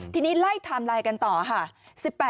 ทีนี้ไล่ไทม์ไลน์กันต่อค่ะ